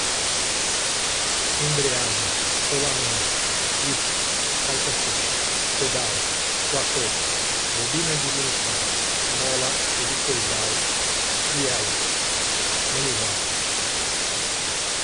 embreagem, rolamento, disco, caixa-seca, pedal, platô, bobina de ignição, mola helicoidal, biela, manivela